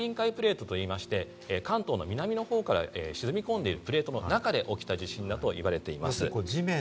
フィリピン海プレートといいまして、関東の南の方から沈み込んでいるプレートの中で起きた地震だといわれています。